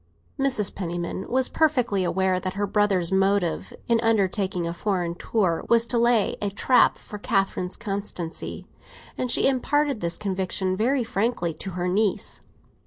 Mrs. Penniman was perfectly aware that her brother's motive in undertaking a foreign tour was to lay a trap for Catherine's constancy; and she imparted this conviction very frankly to her niece.